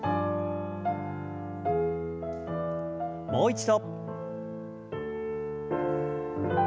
もう一度。